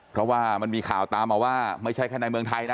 เพราะว่ามันมีข่าวตามมาว่าไม่ใช่แค่ในเมืองไทยนะ